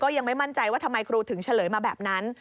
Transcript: ยังไม่มั่นใจว่าทำไมครูถึงเฉลยมาแบบนั้น